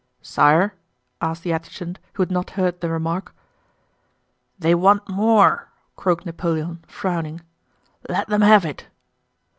"Sire?" asked the adjutant who had not heard the remark. "They want more!" croaked Napoleon frowning. "Let them have it!"